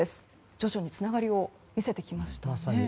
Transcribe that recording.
徐々につながりを見せてきましたね。